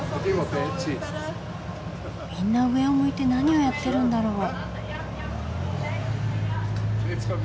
みんな上を向いて何をやってるんだろう？